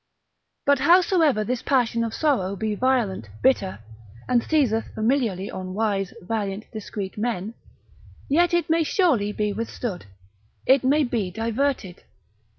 But howsoever this passion of sorrow be violent, bitter, and seizeth familiarly on wise, valiant, discreet men, yet it may surely be withstood, it may be diverted.